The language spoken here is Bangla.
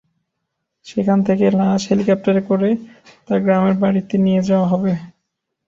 সেখান থেকে লাশ হেলিকপ্টারে করে তাঁর গ্রামের বাড়িতে নিয়ে যাওয়া হবে।